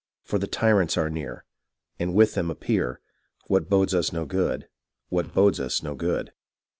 " For the tyrants are near, and with them appear. What bodes us no good, what. bodes us no good."